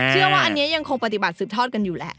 เชื่อว่าอันนี้ยังคงปฏิบัติสืบทอดกันอยู่แหละ